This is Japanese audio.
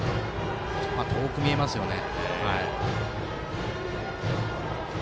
遠く見えますね。